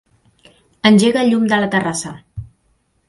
Engega el llum de la terrassa.